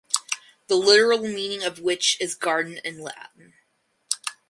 The literal meaning of which is garden in Latin.